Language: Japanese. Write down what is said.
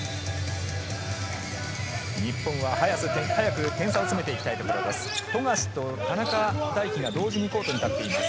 日本は、早く点差を詰めてきたいところです。